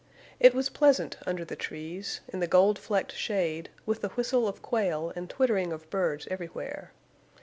It was pleasant under the trees, in the gold flecked shade, with the whistle of quail and twittering of birds everywhere.